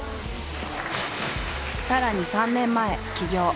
さらに３年前起業。